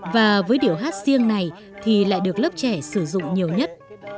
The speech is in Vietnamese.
và với điểu hát riêng này thì lại được lớp trẻ sử dụng nhiều nhất